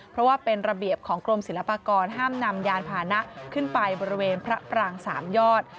เพราะว่าเป็นระเบียบของกรมศิลปากรห้ามนำยานพานะขึ้นไปบริเวณพระปรางสามยอด